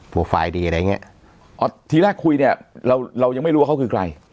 ไฟล์ดีอะไรอย่างเงี้ยอ๋อทีแรกคุยเนี่ยเราเรายังไม่รู้ว่าเขาคือใคร